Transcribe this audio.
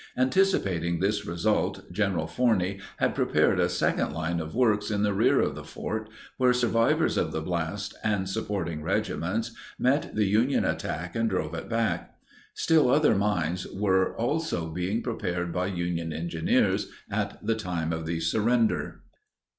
Anticipating this result, General Forney had prepared a second line of works in the rear of the fort where survivors of the blast and supporting regiments met the Union attack and drove it back. Still other mines were also being prepared by Union engineers at the time of the surrender.